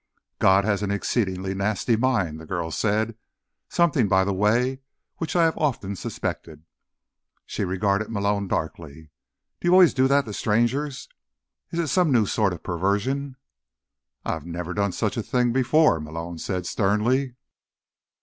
"God has an exceedingly nasty mind," the girl said. "Something, by the way, which I have often suspected." She regarded Malone darkly. "Do you always do that to strangers? Is it some new sort of perversion?" "I have never done such a thing before," Malone said sternly.